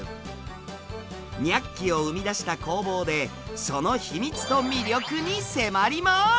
「ニャッキ！」を生み出した工房でその秘密と魅力に迫ります！